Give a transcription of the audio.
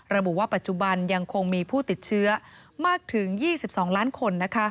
ระบุว่าปัจจุบันยังคงมีผู้ติดเชื้อมากถึง๒๒ล้านคน